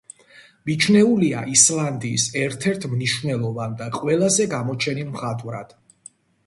მიჩნეულია ისლანდიის ერთ-ერთ მნიშვნელოვან და ყველაზე გამოჩენილ მხატვრად.